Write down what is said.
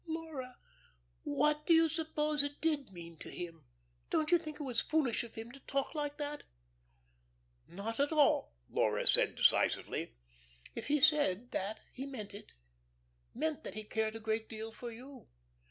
"Laura what do you suppose it did mean to him don't you think it was foolish of him to talk like that?" "Not at all," Laura said, decisively. "If he said that he meant it meant that he cared a great deal for you."